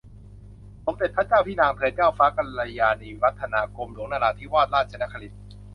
สมเด็จพระเจ้าพี่นางเธอ เจ้าฟ้ากัลยาณิวัฒนา กรมหลวงนราธิวาสราชนครินทร์